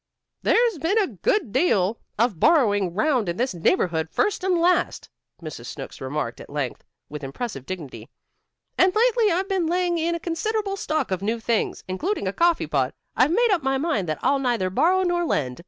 "There's been a good deal of borrowing 'round in this neighborhood first and last," Mrs. Snooks remarked at length, with impressive dignity. "And lately I've been laying in a considerable stock of new things, including a coffee pot. I've made up my mind that I'll neither borrow nor lend.